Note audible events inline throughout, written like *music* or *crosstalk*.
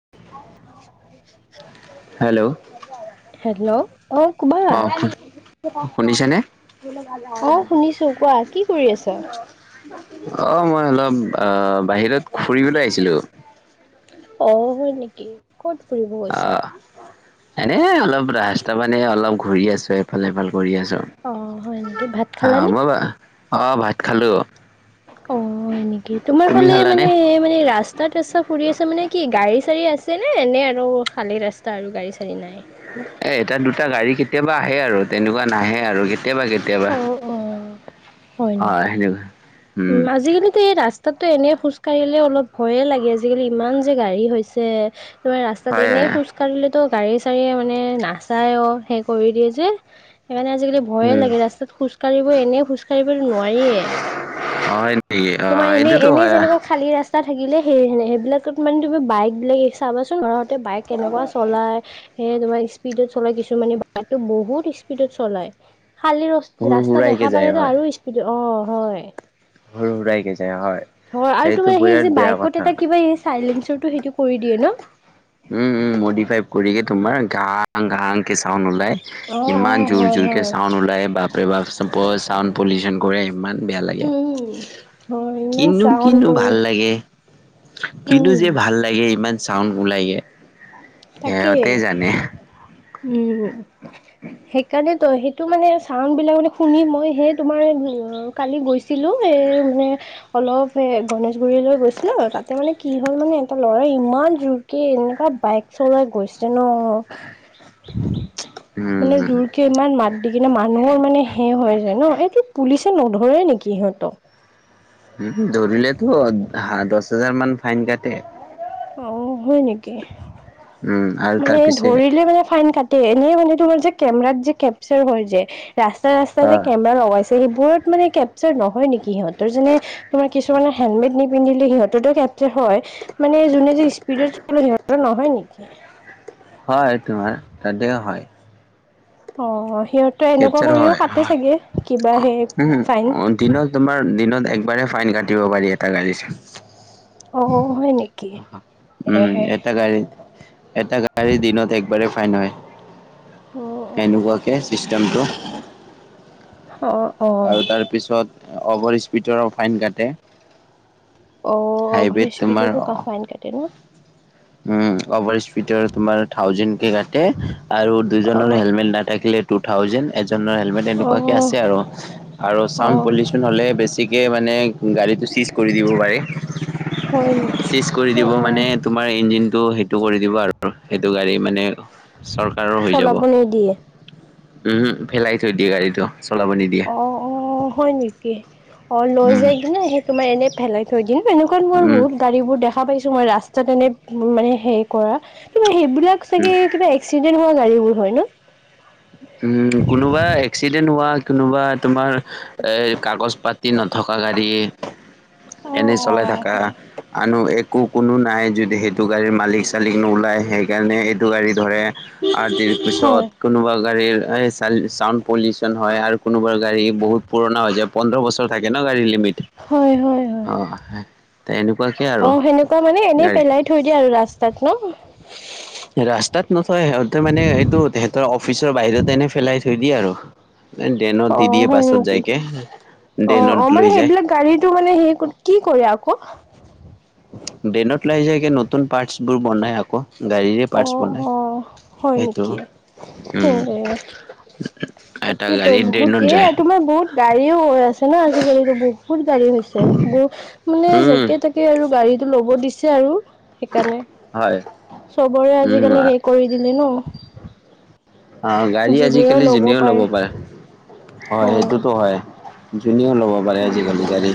*inaudible* Hello, hello অ কোবা অ' শুন শুনিছেনে? অ শুনিছো কোৱা কি কৰি আছা? অ', মই অলপ আ বাহিৰত ফুৰিবলৈ আহিছিলোঁ। অ', হয় নেকি, কত ফুৰিব গৈছা? এ, অলপ ৰাস্তা মানে অলপ ঘূৰি আছো, এফাল সিফাল কৰি আছো। অ', হয় নেকি ভাত হা খালানে? মই বা- অ', ভাত খালো। অ', হয় নেকি, তোমাৰ তুমি ফালে খালানে? মানে মানে ৰাচ টাত আছা ফুৰি আছা মানে কি, গাড়ী চাড়ী আছেনে, এনে আৰু খালী ৰাস্তা আৰু গাড়ী চাড়ী নাই। এ, এটা দুটা গাড়ী কেতিয়াবা আহে আৰু, তেনেকুৱা নাহে আৰু কেতিয়াবা কেত তিয়াবা অ অ হয় অ', সেনেকুৱা উ। এ, ৰাস্তাটো এনেই খোজ কাঢ়িলে অলপ ভয়ে লাগে, আজিকালি ইমান যে গাড়ী হৈছে। তোৱে ৰাস্তাত হয় হয় এনেই খোজ কাঢ়িলেতো গাড়ী চাৰিয়ে মানে নাচায়ৱ, সেই কৰি দিয়ে যে সেইকাৰণে আজিকালি ভয়ে উম লাগে ৰাস্তাত খোজকাঢ়িব, এনে খোজ কাঢ়িবলৈ নোৱাৰিয়ে। অ হয় নেকি অ তোমাৰ এনে সেইটোতো এনেই হয় যেনিবা খালী ৰাচ তা থাকিলে সেই সেইবিলাকত মানে তুমি বাইক বিলাকে চাবাচোন, ঘৰত তে বাইক কেনেকুৱা চলায়। হে তোমাৰ স্পীডত চলাই কিছুমানে বাইকটো বহুত স্পীডত চলাই। খালী ৰচ সুৰ ৰাস্তা সুৰাইকে দেখা যায় পালেতো হয় আৰু স্পীড অ', হয়। হুৰ হুৰাইকে যায় অ', হয়। হয়, আৰু সেইটো তোমাৰ সেই বিৰাট যে বেয়া বাইকত কথা এটা কিবা এই চাইলেঞ্চাৰটো সেইটো কৰি দিয়ে ন? উ, উ, মডিফাই কৰিকে তোমাৰ ঘাং ঘাং কে চাউন্ড ওলায়। অ', ইমান অ', জোৰ হয়, জোৰকে হয়। চাউণ্ড ওলায়, বাপৰে বাপ বৰ চাউণ্ড পলিউচন কৰে ইমান বেয়া লাগে। উ। কিনো কিনো ভাল লাগে? কিনো উম, যে ভাল লাগে, ইমান চাউণ্ড ওলাইগে। তাকে, সিহঁতে জানে উ। *inaudible* সেইকাৰণে ত, সেইটো মানে চাউণ্ড বিলাক মানে শুনি মই হে তোমাৰ কালি গৈছি ছিলো এ, মানে। অলপ এ গনেশগুৰিলৈৈ গৈছিলো তাতে মানে কি হ'ল মানে এটা ল'ৰাই ইমান জোৰ কে এনেকুৱা বাইক চলাই গৈছে ন, মানে উম জোৰকে ইমান মাত দেখি কিনে মানুহৰ মানে সে হৈ যায় ন? এইটো পুলিচে নধৰে নেকি সিহঁতক। উ, ধৰিলেতো হা দচ হাজাৰ মান ফাইন কাটে। অ', হয় নেকি। উম আৰু তাৰ মানে পিছে ধৰিলে মানে ফাইন কাট টে এনেই মানে তোমাৰ যে কেমেৰাত যে কেপ্চাৰ হয় যে, ৰাস্তাই ৰাস্তাই অ যে কেম লগাইছে, সেবোৰত মানে কেপচাৰ নহয় নেকি সিহঁতৰ যেনে তোমাৰ কিছুমানে হেলমেট নিপিন্ধিলে সিহঁতৰতো কেপ্চাৰ হয়, মানে যোনে যে স্পিডত চলাই, সিহতৰ নহয় নেকি? হয় তোমাৰ, তাতেও হয়। অ', সিহঁতে এনেকুৱা কেপচাৰ কৰিও হয় কাটে চাগে, কিবা সেই ফাইন। উম দিনত তোমাৰ দিনত একবাৰে ফাইন কাটিব পাৰি এটা গাড়ীত। অ', অ', হয় নেকি? এ উম, এটা গাড়ীত, এটা গা গাড়ী দিনত একবাৰেই ফাইন হয়। অ' সেনোকুৱাকে চিষ্টেমটো। অ'। অ' আৰু তাৰ পিছত অভাৰ স্পীডৰ ফাইন কাটে অ', অভাৰ হাইৱেত তোমাৰ স্পিডটো ফাইন‌ কাটে ন? উম', অভাৰ স্পিডৰ তোমাৰ থাউজেন কে কাটে আৰু দুইজনৰ অ' হেলমেট নাথাকিলে। টু থাউজেন এজনৰ হেলমেট এনেকোৱাকে অ' আছে, আৰু আৰু চাউন অ' পলিছ হ'লে বেছিকে মানে গাড়ীটো চিজ কৰি দিব পাৰে। হয় নেকি? চিজ কৰি দিব মানে অ', তোম তোমাৰ ইঞ্জিনটো সেইটো কৰি দিব আৰু সেইটো গাড়ী মানে চৰকাৰৰ হৈ যাব। চলাব নিদিয়ে। উম', হম, ফেলাই থৈ দিয়ে গাড়ীটো চলাব নিদিয়ে। অ', অ, হয়। নেকি? অ, লৈ উম যায় কি না সেই তোমাৰ এনে পেলাই থৈ দিম এনেকুৱ মোৰ উম, বহুত গাড়ীবোৰ দেখ দেখা পাইছো। মই ৰাস্তাত এনে মানে হে কৰা ত সেইবিলাক চাগে কিবা চিজিল হোৱা গাড়ীবোৰ হয় ন? উম', কোনোবা এক্সিডেণ্ট হোৱা কোনোবা তোমাৰ এৰ কাগজ পাতি নথকা গাড়ী এনে অ', অ চলাই থকা হয়। আনো একো কোনো নাই। যদি সেইটো গাড়ীৰ মালিক চালিক নোওলায় সেইকাৰণে এইটো গাড়ী ধৰে। আজিৰ পিছত হয়, কোনোবা গাড়ীৰ এই চাউন্ড পলিউচন হয় আৰু কোনোবাৰ গাড়ী বহুত পুৰণা হৈ যায়। পোনড্ৰ বছৰ থাকে ন গাডীৰ লিমিট হয়। হয়। হয়। অ', তেনেকুৱাকে অ, আৰু সেনেকুৱা মানে এনে গাড়ী পেলাই। থৈ দিয়া আৰু ৰাস্তাত ন? ৰাস্তাত নথয়। সিহঁতে মানে এইটো তেহঁতৰ অফিচৰ বাহিৰতে এনে পেলাই থৈ দিয়ে আৰু ডেনত অ', দিদিয়ে হয় বাছত নেকি? যাইকে ডেনত লৈ যায়। টো মানে সেই কত কি কৰে? আকৌ দেইনত লই যায়গে নতুন পাৰ্টস বোৰ বনাই আকৌ গাড়ীৰে পাৰ্টছ অ', বনাই। অ', হয় সেইটো নেকি? এ উম, এটা তাকেতো গাড়ী বহুত ড্ৰেইনত এ, যায় তোমাৰ বহুত গাড়ীও হৈ আছে ন। আজিকালি বহুত গাড়ী হৈছে। বহুত মানে উম যাকে তাকে আৰু গাড়ীটো ল'ব দিছে আৰু সেইকাৰণে হয়। চবৰে উম আজিকালি হেই কৰি দিলে ন। অ', গাড়ী আজিকালি যোনেও ল'ব পাৰে হয়। সেইটোতো হয়। যোনেও ল'ব পাৰে আজিকালি গাড়ী।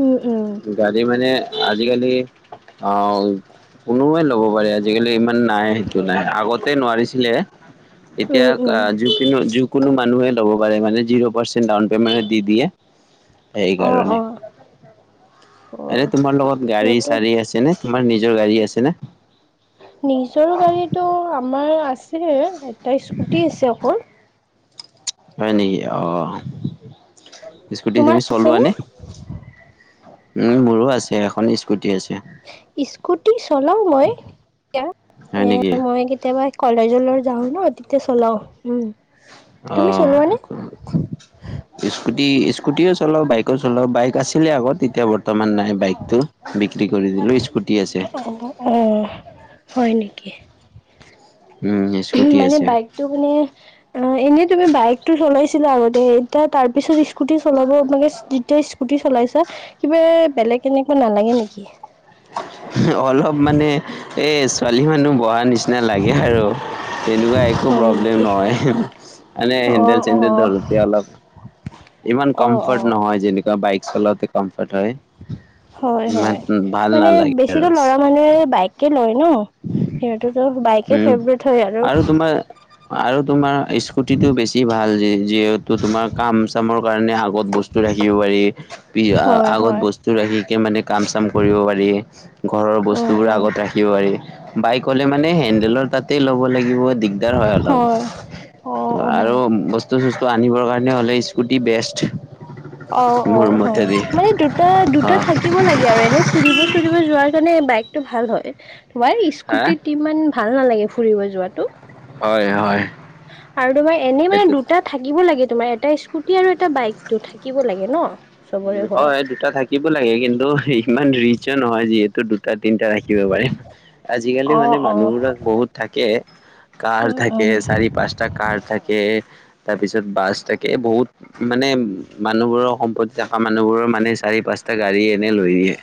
উম', উম, গাড়ী মানে আজিকালি অ', কোনোৱে ল'ব পাৰে আজিকালি ইমান নাই। সেইটো নাই। আগতে নোৱাৰিছিলে। এতিয়া উম উম ও যিকোনো জিকোনো মানুহে ল'ব পাৰে মানে যিৰ' পাৰ্চন্ট ডাউনেমেন্ট টত দি দিয়ে। অ অ সেইকাৰণে এনে হয়। তোমাৰ লগত গাড়ী সিহঁতৰ চাৰি আছে নে? তোমাৰ নিজৰ গাড়ী আছে নে? নিজৰ গাড়ীটো আমাৰ আছে। এটা স্কুটি আছে। অকল হয় নেকি? অ, স্কুটি তোমাৰ তুমি চলোৱা আছেনে? নে? উম', মোৰো আছে। এখন ইস্কুটি আছে। ইস্কুটি চলাও মই হয় *unintelligible* এ নেকি মই কেতিয়াবা কলেজলৈ যাও ন তেতিয়া চলাও। উম, তুমি অ', চলোৱানে? ইস্কুটি স্কুটিও চলাও বাইকো চলাও বাইক আছিলে। আগত তেতিয়া বৰ্তমান নাই বাইক। টো বিক্ৰী কৰি দিলো। স্কুটি আছে। অঁ হয় নেকি? উম স্কুটি মানে আছে বাইকটো, মানে অ এনেই তুমি বাইকতটো, চলাইছিলা আগতে এতিয়া তাৰ পিছত ইস্কুটি চলাব মানে ইস্কুতি চলাইছা কিবা বেলেগ এনেকুৱা নালাগে নেকি? অলপ মানে এ ছোৱালী, মানুহ বহা নিচিনা। নালাগে আৰু তেনেকুৱা একো হয় প্ৰব্লেম নেকি নহয়। মানে, অ হেণ্ন্দেল, অ চেণ্ডেল, ধৰোতে অলপ ইমান অ অ কমফৰ্ট নহয়,। যেনেকুৱা বাইক চলাওতে কমফৰ্ট হয়! হয়, ইমান হয়, ভাল মানে নালাগে বেছিতো আৰু লৰা মানুহেৰে, বাইক কি? লয় ন' সিহঁততো বাইকে উম ফেভৰেট হয়, আৰু আৰু, তোমাৰ স্কুটিটো, বেছি ভাল যে, যিহেতু তোমাৰ কাম চামৰ কাৰণে, আগত বস্তু বস্ত ৰাখিব পাৰি, হয় আগত হয় বস্তু সটো ৰাখিকে মানে, কাম- চাম কৰিব পাৰি, ঘৰৰ উম বস্তুবোৰ উম আগত ৰাখিব পাৰি বাইক হ'লে মানে, হেণ্ডেলৰ তাতেই, ল'ব লাগিব দিগদ দিগদাৰ হয়, অলপ! অ অ আৰু বস্তু বস্তু, চস্তু, আনিবৰ কাৰণে হ'লে, স্কুটি বেষ্ট অ, অ, মোৰ হয়, হয়, মতেদি মানে দুটা অ দুটা, থাক থাকিব লাগে আৰু, এনে ফুৰিব- চুৰিব, যোৱাৰ কাৰণে, বাইকটো ভাল হয় মই, মই হা স্কুটি সিমান, ভাল নালাগে, ফুৰিব যোৱাটো হয়, হয়, আৰু তোমাৰ, এনেই মানে, এইটো দুটাত থাকিব লাগে, তোমাৰ এটা স্কুটি, আৰু এটা বাইকটো, থাকিব লাগে ন' উ চবৰে ঘৰত হয়, দুটা থাকিব লাগে, কিন্তু ইমান ৰিচো নহয়! যিহেতু দুটা দুটা, তিনিটা, ৰাখিব পাৰিম আজিকালি অ মানে অ মানুহবোৰক বহুত থাকে, কাৰ উম থাকে, উম চাৰি পাঁচটা, কাৰ থাকে তাৰ পিছত, বাছ থাকে, বহুত! মানে মানুহবোৰৰ সম্পটি জাকা মানুহবোৰৰ মানে, চাৰি পাঁচটা গাড়ী এনে লৈ আহে,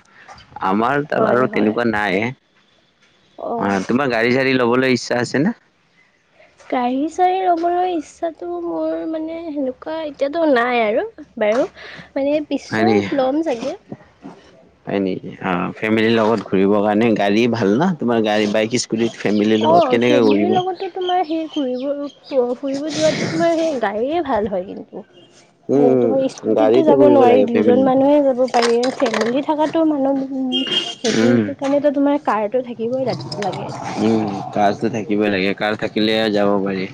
আমাৰ তাৰ হয় আৰু হয় তেনেকুৱা নাই, অ' তোমাৰ গাড়ী, চা়ৰি লবলৈ ইচ্ছা আছে নে? গাড়ী চ়াৰি ল'বৰ ইচ্ছাতটো, মোৰ মানে, সেনেকুৱা এতিয়াতো নাই আৰু বাৰু, মানে হয় নেকি? পিছত ল'ম, ছাগে হয় নেকি? অ ফেমিলিৰ লগত ঘুৰিব কাৰণে, গাড়ী, ভাল ন, তোমাৰ গাড়ী বাইক ইস্কুতি বুলি, ফেমিলিৰ লগত অ', কেনেকৈ? ফেমিলিৰ গুৰিবি লগতো তোমাৰ, সেই ফুৰিব, ফুৰিব যোৱাতো, তোমাৰ সেই গাড়ীয়ে ভাল হয়, কিন্তু অ' উম তোমাৰ, উম স্কুটিতো গাড়ীতে যাব কৰিব নোৱাৰি! লাগে দুজন ফেমিলি মানুহে যাব। পাৰি ফেমিলি থকাতো, মানুহ উঁ সেইটো উম কাৰণেতো তোমাৰ, কাৰ তো থাকিবই লাগে। এটা। উম' কাৰতো থাকিবই লাগে, কাৰ থাকিলেহে, যাব পাৰি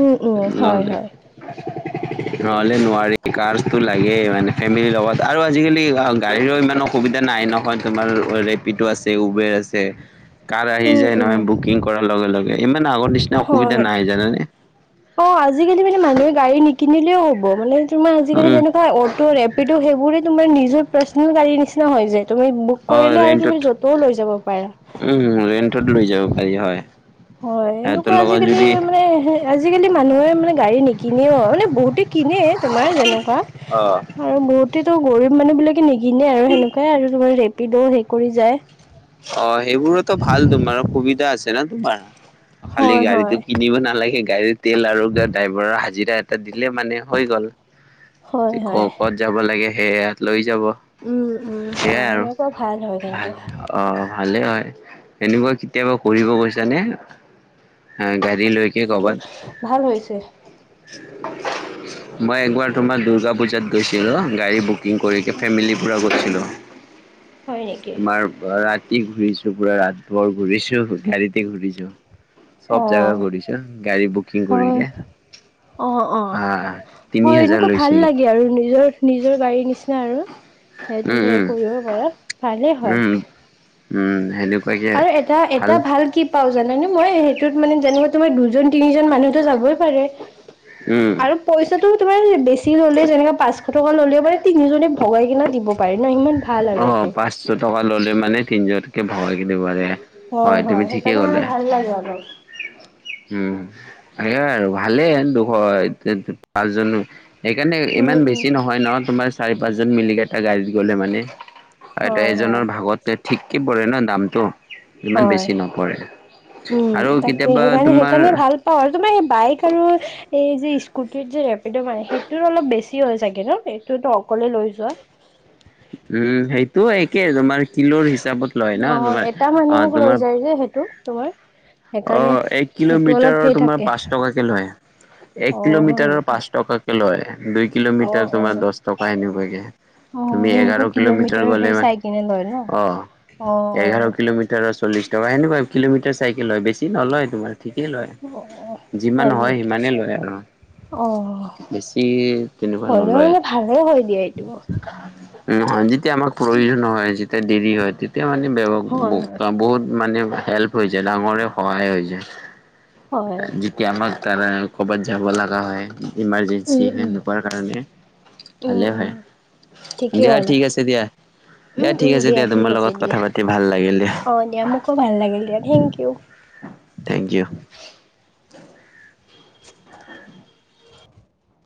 উম, উম, নাক হয়, হয়, নহলে নোৱাৰি, কাৰটো লাগে মানে, ফেমিলিৰ লগত, আৰু আজিকালি গাড়ীৰো, ইমান অসুবিধা নাই নহয়, তোমাৰ ৰেপিডটো, আছে। উবেৰ আছে কাৰ আহি উম, যায় উম, নহয়, বুকিং, কৰাৰ লগে -লগে, ইমান আগৰ নিচিনা অসুবিধা হয়, নাই জানানে অ' আজিকালি মানে, মানুহে গাড়ী, নিকিনিলেও হ'ব মানে তোমাৰ আজিকালি উম যেনেকুৱা, অটো', ৰেপিডো, সেইবোৰে তোমাৰ নিজৰ পাৰ্চনেল, গাড়ীৰ, নিচিনা, হৈ যায়। তুমি বুক অ কৰিলে, আৰু তুমি য'তও, লৈ যাব পাৰা। *unintelligible* তাত লৈ যাব পাৰি, হয়। হয়, সিহঁতৰ এনেকুৱা লগত আজিকালি যদি মানে, আজিকালি মানুহে মানে গাড়ী নিকিনেও! মানে বহুতে কিনে, তোমাৰ যেনেকুৱা! অ', আৰু বহুতেতো গৰীব মানুহ বিলাকে নিকিনে, আৰু সেনেকুৱাই আৰু, তোমাৰ ৰেপিডো হেৰি কৰি যায়। অ', সেইবোৰোতো ভাল, তোমাৰ সুবিধা আছে, ন তোমাৰ। খালি হয় গাড়ীটো হয় কিনিব নালাগে, গাড়ীৰ তেল আৰু ড্ৰাইভাৰৰ হাজিৰা এ দিলে মানে হৈ গ'ল, হয় ক' হয় ক'ত যাব লাগে। সেয়া লৈ যাব। উম্, উম্, হয়। সেনেকুৱা ভাল হয় কিন্তু। অ'অ', ভালে হয়, এনেকুৱা কেতিয়াবা কৰিব গৈছানে? অ', গাড়ী লৈ টো ভাল হৈছে। মই একবাৰ তোমাৰ দুৰ্গা পুজাত গৈছিলোঁ, গাড়ী বুক বুকিং কৰি, ফেমিলি পুৰা ঘূৰিছিলোঁ, হয় নেকি তোমাৰ ৰাতি ঘূৰিছোঁ। পুৰা ৰাত ভৰ ঘূৰিছোঁ, গাড়ীতে ঘূৰিছোঁ। চব অ জাগা ঘূৰিছোঁ, গাড়ী বুকিং হয় কৰিকে। অ', হা অ', তিনি হয় হাজাৰ এনেকুৱা ভাল লৈছিলে। লাগে আৰু নিজৰ, নিজৰ গাড়ীৰ নিচিনা আৰু। সেইটো তুমি উম কৰিব পাৰা, ভালেই হয়। উম্। আৰু এটা এটা ভাল কি পাওঁ জানানে মই, সেইটোত মানে জানিব তোমাৰ দুজন তিনিজন মানুহ টো যাবই পাৰে আৰু পইচাটো তোমাৰ বেছি ল'লে, যেনেকৈ পাঁচশ টকা ল'লেও মানে তিনিজনে ভগাই কিনে দিব পাৰে ন। সিমান অ', পাঁচশ টকা ল'লে মানে তিনিজনকে ভগাই কিনে দিব পাৰে। হয় তুমি হয়, ঠিকেই সেইকাৰণে আৰু ভাল লাগে অলপ। উম্, সেইয়াই আৰু ভালেই দুশ পাঁচজন সেইকাৰণে উম ইমান উম বেছি নহয় নহয়, তোমাৰ চাৰি পাঁচজন মিলি কিনে এটা গাড়ীত গ'লে মানে। আৰু হয় হয় এটাইকেইজনৰ ভাগত ঠিককে পৰে ন দামটো। ইমান হয় বেছি নপৰে আৰু কেতিয়াবা তোমাৰ অ', তোমাৰ এই বাইক আৰু এই যে স্কুটিৰ যে ৰেপিডো মাৰে, সেইটোৰ অলপ বেছি হয় চাগে ন, এইটোতো অকলে লৈ যোৱা। উম্, সেইটো একে তোমাৰ কিলোৰ হিচাপত লয় ন অ তোমাৰ। এটা অ', মানুহক লৈ তোমাৰ যায় যে সেইটো তোমাৰ সেইকাৰণে অ', এক সেইটো অলপ কিলোমিটাৰৰ সেই তোমাৰ থাকে পাঁচ টকাকে লয়। এক অ হয় কিলোমিটাৰৰ নেকি পাঁচ টকাকে লয়, দুই অ কিলোমিটাৰ অ তোমাৰ দহ টকা এনেকুৱাকে। অ তুমি এঘাৰ সেনেকুৱা কিলোমিটাৰ গ'লে সেই মানে চাই কিনে লয় ন অ'। অ এঘাৰ কিলোমিটাৰৰ চল্লিশ টকা, সেনেকুৱা কিলোমিটাৰ চাইকেল হয়, বেছি নলয় তোমাৰ। ঠিকেই লয়, অ অ যিমান হয় নেকি সিমানেই লয় আৰু। অ', বেছি তেনেকুৱা হ'লেও নলয়। মানে ভালে হৈ দিয়া এইটো। উম্, যেতিয়া আমাক প্ৰয়োজন হয়। যেতিয়া দেৰি হয়, তেতিয়া মানে হয় হয় ব্যৱ বহুত মানে হেল্প হৈছে, ডাঙৰে সহায় হৈ যায়। হয় যি কি আমাক তাৰা কৰ'বাত যাব লগা হয়, ইমাৰজেঞ্চি সেনেকুৱা কাৰণে। উম্, ভালে হয় উম্। দিয়া, ঠিক আছে দিয়া। উম দিয়া ঠিক উম আছে দিয়া, ঠিক তোমাৰ আছে লগত দিয়া কথা পাতি ভাল লাগিল দিয়া। অ', দিয়া মোকো ভাল লাগিল দিয়া। Thank you. Thank U.